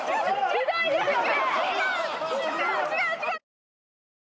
ひどいですよね